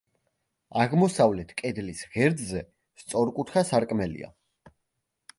აღმოსავლეთ კედლის ღერძზე სწორკუთხა სარკმელია.